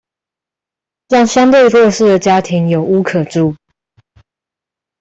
讓相對弱勢的家庭有屋可住